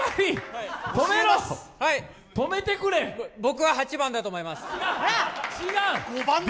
僕は８番だと思います。